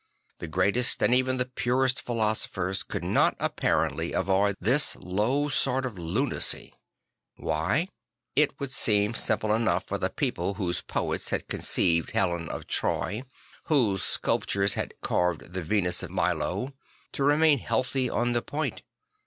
The greatest and even the purest philosophers could not apparently avoid this low sort of lunacy. Why? It would seem simple enough for the people whose poets had conceived Helen of Troy, whose sculptors had carved the \T en us of Milo, to remain healthy on the point.